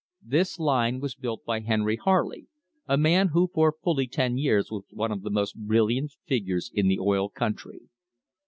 This line was built by Henry Harley, a man who for fully ten years was one of the most brilliant figures in the oil country.